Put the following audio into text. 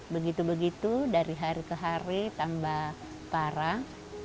begitu begitu dari hari ke hari tambah parah